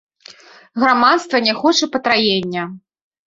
Грамадства не хоча патраення.